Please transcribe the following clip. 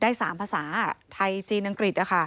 ได้๓ภาษาไทยจีนอังกฤษนะคะ